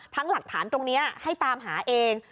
หลักฐานตรงนี้ให้ตามหาเอง